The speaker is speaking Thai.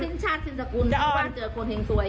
สินชาติสินสกุลชั้นเจอคนแห่งซวย